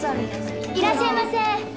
いらっしゃいませ！